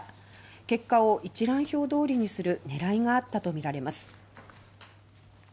結果を一覧表通りにする狙いがあったとみられます。